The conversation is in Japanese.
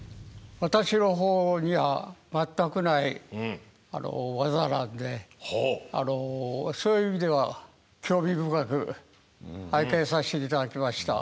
私の方には全くない技なんでそういう意味では興味深く拝見させて頂きました。